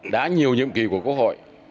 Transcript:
đã nhiều nhiệm kỳ của quốc hội